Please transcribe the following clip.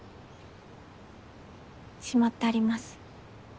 しまってあります